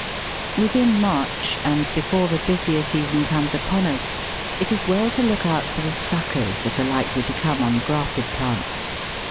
Within March, and before the busier season comes upon us, it is well to look out for the suckers that are likely to come on grafted plants.